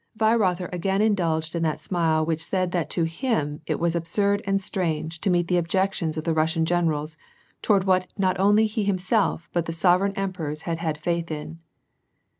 Weirother again indulged in that smile which said that to him it was absurd and strange to meet the objections \A the Russian generals toward what not only he himself, but the sov ereign emperors had had faith in.